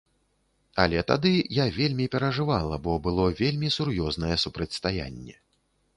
Але тады я вельмі перажывала, бо было вельмі сур'ёзнае супрацьстаянне.